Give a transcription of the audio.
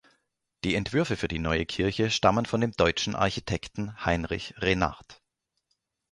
Die Entwürfe für die neue Kirche stammen von dem deutschen Architekten Heinrich Renard.